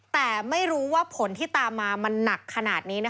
แต่ไม่รู้ว่าผลที่ตามมามันหนักขนาดนี้